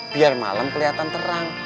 biar malem keliatan terang